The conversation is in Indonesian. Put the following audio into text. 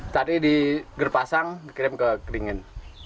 tadi di gerpasang dikirim ke keringin